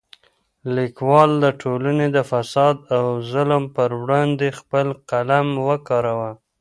لیکوال د ټولنې د فساد او ظلم پر وړاندې خپل قلم وکاراوه.